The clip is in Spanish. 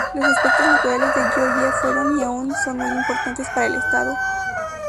Los aspectos naturales de Georgia fueron y aún son muy importantes para el estado.